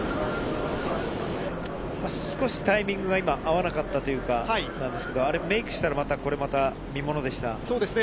少しタイミングが今、合わなかったというかなんですけど、あれ、メークしたらまた、そうですね。